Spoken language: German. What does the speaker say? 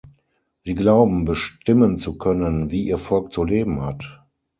Sie glauben, bestimmen zu können, wie ihr Volk zu leben hat.